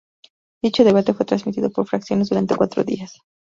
Dicho debate fue transmitido por fracciones durante cuatro días.